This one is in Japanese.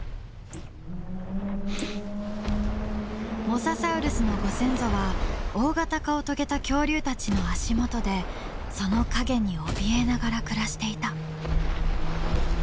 モササウルスのご先祖は大型化を遂げた恐竜たちの足元でその影におびえながら暮らしていた。